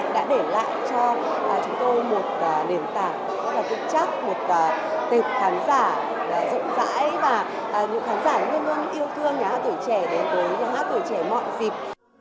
đã để lại cho chúng tôi một nền tảng rất là vững chắc một tệp khán giả rộng rãi và những khán giả luôn luôn yêu thương nhà hát tuổi trẻ đến với nhà hát tuổi trẻ mọi dịp